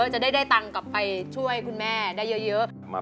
จะได้ได้เงินให้คุณแม่ได้เยอะ